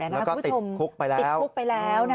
แล้วก็ติดคุกไปแล้ว